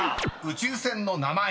宇宙船の名前］